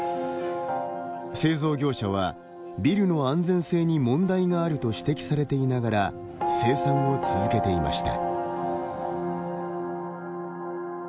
製造業者は、ビルの安全性に問題があると指摘されていながら生産を続けていました。